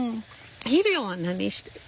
肥料は何してる？